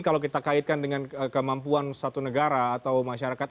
kalau kita kaitkan dengan kemampuan satu negara atau masyarakat